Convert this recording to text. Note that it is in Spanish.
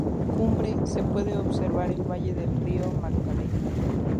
Desde su cumbre se puede observar el valle del río Magdalena.